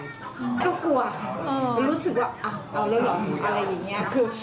ก็กลัวรู้สึกว่าเอาแล้วเหรออะไรอย่างนี้คือ